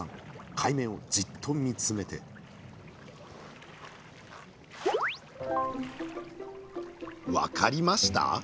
海面をじっと見つめて分かりました？